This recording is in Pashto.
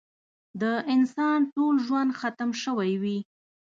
د انسان ټول ژوند ختم شوی وي.